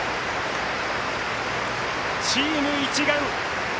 チーム、一丸。